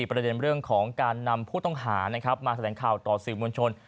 ประเด็นเรื่องของการนำผู้ต้องหานะครับมาแถลงข่าวต่อสื่อมวลชน